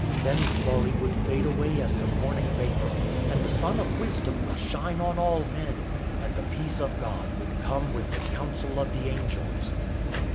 Then folly would fade away as the morning vapour, and the sun of wisdom would shine on all men, and the peace of God would come with the counsel of the angels."